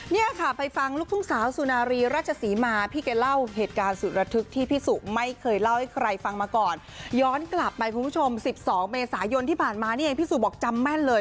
เนี่ยค่ะไปฟังลูกทุ่งสาวสุนารีรัชศรีมาพี่แกเล่าเหตุการณ์สุดระทึกที่พี่สุไม่เคยเล่าให้ใครฟังมาก่อนย้อนกลับไปคุณผู้ชม๑๒เมษายนที่ผ่านมานี่เองพี่สุบอกจำแม่นเลย